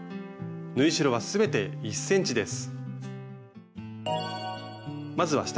縫い代は全て１ｃｍです。